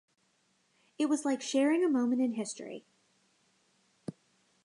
It was like sharing a moment in history.